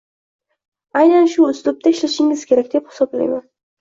aynan shu uslubda ishlashingiz kerak deb hisoblayman.